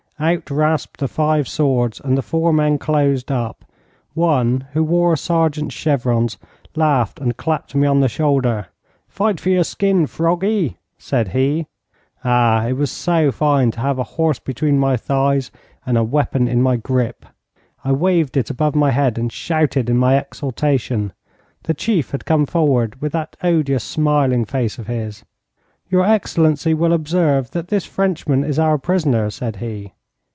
Out rasped the five swords, and the four men closed up. One, who wore a sergeant's chevrons, laughed and clapped me on the shoulder. 'Fight for your skin, froggy,' said he. Ah, it was so fine to have a horse between my thighs and a weapon in my grip. I waved it above my head and shouted in my exultation. The chief had come forward with that odious smiling face of his. 'Your excellency will observe that this Frenchman is our prisoner,' said he.